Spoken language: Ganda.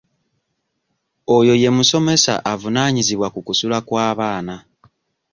Oyo ye musomesa avunaanyizibwa ku kusula kw'abaana.